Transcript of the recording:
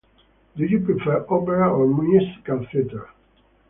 Do you prefer opera or musical theatre?